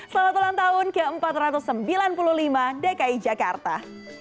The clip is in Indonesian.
selamat ulang tahun ke empat ratus sembilan puluh lima dki jakarta